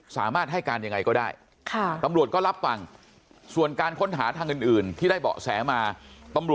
สามารถให้การยังไงก็ได้ตำรวจก็รับฟังส่วนการค้นหาทางอื่นที่ได้เบาะแสมาตำรวจ